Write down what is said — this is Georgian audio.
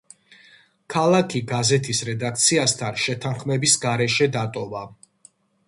ქალაქი გაზეთის რედაქციასთან შეთანხმების გარეშე დატოვა.